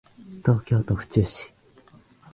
東京都府中市